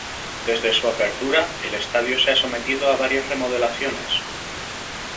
Desde su apertura, el estadio se ha sometido a varias remodelaciones.